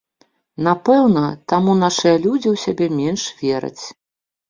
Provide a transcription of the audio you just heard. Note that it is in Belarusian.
Напэўна, таму нашыя людзі ў сябе менш вераць.